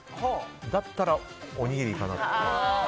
だったら、おにぎりかなと。